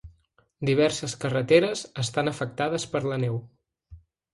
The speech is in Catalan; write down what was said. Diverses carreteres estan afectades per la neu.